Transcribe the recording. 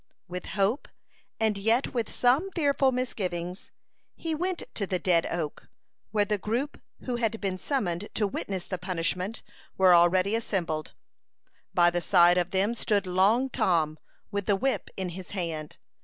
With hope, and yet with some fearful misgivings, he went to the "dead oak," where the group who had been summoned to witness the punishment were already assembled. By the side of them stood Long Tom, with the whip in his hand.